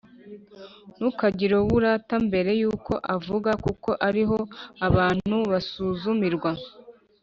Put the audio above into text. Ntukagire uwo urata mbere y’uko avuga, kuko ari ho abantu basuzumirwa.